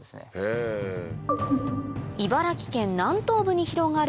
茨城県南東部に広がる